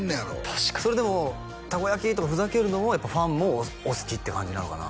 確かにそれでも「たこ焼き」とかふざけるのもやっぱファンもお好きって感じなのかな？